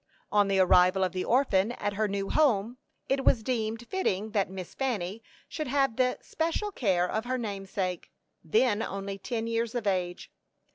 On the arrival of the orphan at her new home, it was deemed fitting that Miss Fanny should have the especial care of her namesake, then only ten years of age.